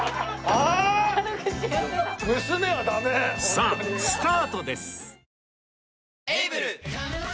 さあスタートです